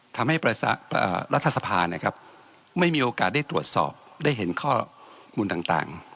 ทำให้รัฐสภานะครับไม่มีโอกาสได้ตรวจสอบได้เห็นข้อมูลต่าง